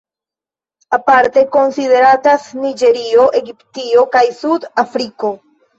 Aparte konsideratas Niĝerio, Egiptio kaj Sud-Afriko.